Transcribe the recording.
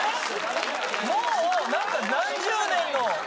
もう何か何十年の。